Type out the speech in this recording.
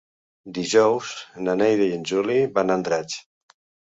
Dijous na Neida i en Juli van a Andratx.